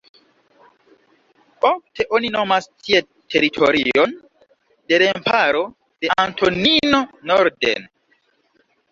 Ofte oni nomas tiel teritorion de remparo de Antonino norden.